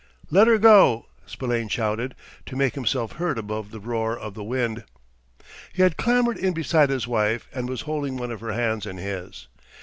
"Let her go!" Spillane shouted, to make himself heard above the roar of the wind. He had clambered in beside his wife, and was holding one of her hands in his.